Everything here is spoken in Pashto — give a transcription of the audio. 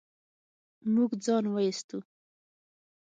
موږ ځان و ايستو.